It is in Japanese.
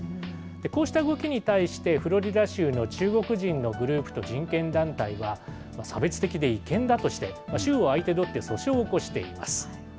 こうした動きに対して、フロリダ州の中国人のグループと人権団体は、差別的で違憲だとして、州を相手取って訴訟を起こしています。